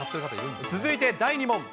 続いて、第２問。